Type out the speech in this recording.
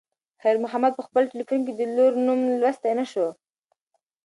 خیر محمد په خپل تلیفون کې د لور نوم لوستی نه شو.